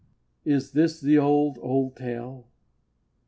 Is this the old, old tale?